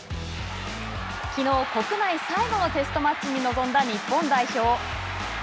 きのう国内最後のテストマッチに臨んだ日本代表。